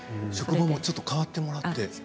職場もちょっと変わってもらって？